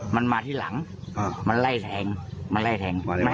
มันมาที่หลังมันไล่แทงมันไล่แทง